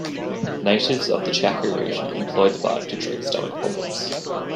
Natives of the Chaco region employ the bark to treat stomach problems.